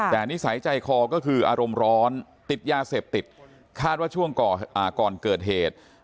แต่นิสัยใจคอก็คืออารมณ์ร้อนติดยาเสพติดคาดว่าช่วงก่อนเกิดเหตุ